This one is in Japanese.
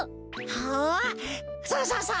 おおそうそうそう！